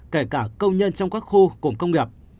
kể cả công nhân trong các khu cụm công nghiệp